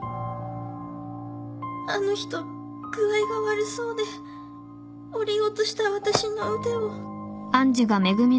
あの人具合が悪そうで降りようとした私の腕を。